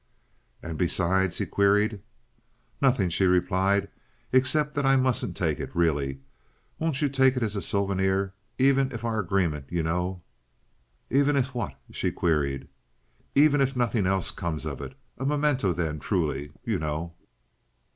"And besides?" he queried. "Nothing," she replied, "except that I mustn't take it, really." "Won't you take it as a souvenir even if—our agreement, you know." "Even if what?" she queried. "Even if nothing else comes of it. A memento, then—truly—you know."